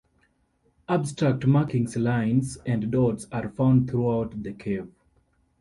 Abstract markings-lines and dots-are found throughout the cave.